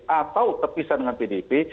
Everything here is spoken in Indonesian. atau terpisah dengan pdp